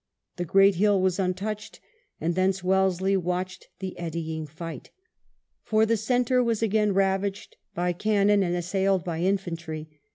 The great hill was imtouched, and thence Wellesley watched the eddying fight. For the centre was again ravaged by can non and assailed by infantry.